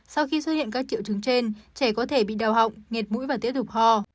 sau khi xuất hiện các triệu chứng trên trẻ có thể bị đau họng nghẹt mũi và tiếp tục ho